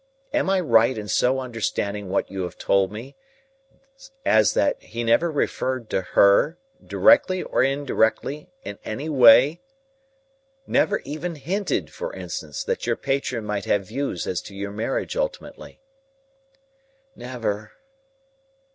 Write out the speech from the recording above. Am I right in so understanding what you have told me, as that he never referred to her, directly or indirectly, in any way? Never even hinted, for instance, that your patron might have views as to your marriage ultimately?" "Never."